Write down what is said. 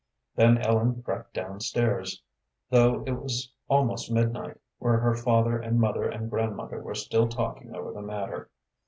Then Ellen crept down stairs, though it was almost midnight, where her father and mother and grandmother were still talking over the matter.